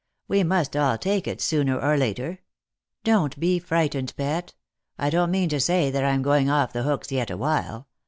We must all take it, sooner or later. Don't be frightened, pet. I don't mean to say that I am going off the hooks yet awhile.